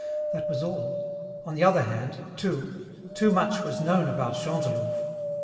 That was all. On the other hand, too, too much was known about Chantelouve!